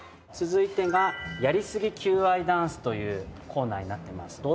続いてがやりすぎ求愛ダンスというコーナーになっています。